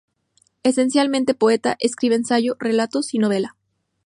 Esencialmente poeta, escribe ensayo, relatos y novela.